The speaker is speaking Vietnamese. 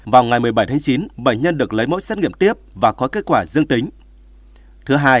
vào ngày một mươi bảy tháng chín bệnh nhân được lấy mẫu xét nghiệm tiếp và có kết quả dương tính